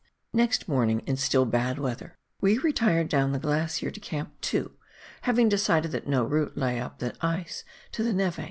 Next morning, in still bad weather, we retired down the glacier to Camp 2, having decided that no route lay up the ice to the neve.